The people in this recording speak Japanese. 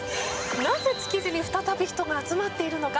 なぜ築地に再び人が集まっているのか。